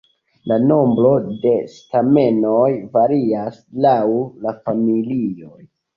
La nombro de stamenoj varias laŭ la familioj.